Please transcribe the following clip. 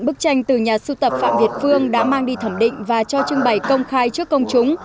bức tranh từ nhà sưu tập phạm việt phương đã mang đi thẩm định và cho trưng bày công khai trước công chúng